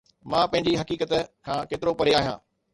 مان پنهنجي حقيقت کان ڪيترو پري آهيان